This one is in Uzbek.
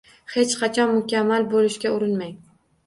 Hech qachon mukammal bo’lishga urinmang